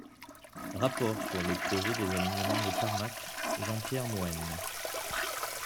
Rapport sur le projet des Alignements de Carnac, Jean Pierre Mohen.